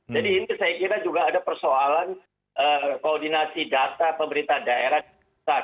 jadi ini saya kira juga ada persoalan koordinasi data pemerintah daerah